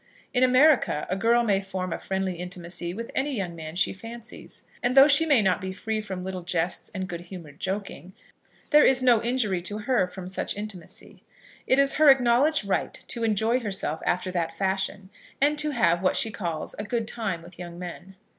In America a girl may form a friendly intimacy with any young man she fancies, and though she may not be free from little jests and good humoured joking, there is no injury to her from such intimacy. It is her acknowledged right to enjoy herself after that fashion, and to have what she calls a good time with young men.